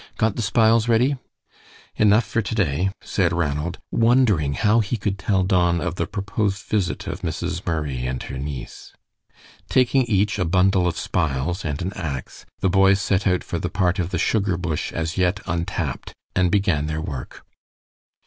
Got the spiles ready?" "Enough for to day," said Ranald, wondering how he could tell Don of the proposed visit of Mrs. Murray and her niece. Taking each a bundle of spiles and an ax, the boys set out for the part of the sugar bush as yet untapped, and began their work.